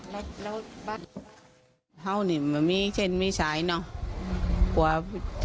และก็จะหักเจ่นฝั่งบ้ายก่อนด้วย